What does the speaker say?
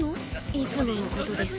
いつものことです。